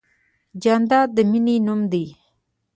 جانداد د مینې نوم دی.